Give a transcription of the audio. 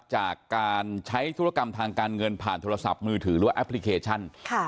จากการใช้ธุรกรรมทางการเงินผ่านโทรศัพท์มือถือหรือว่าแอปพลิเคชัน